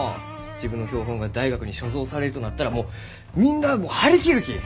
自分の標本が大学に所蔵されるとなったらもうみんなあも張り切るき！